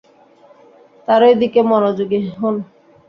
তাঁরই দিকে মনোযোগী হোন!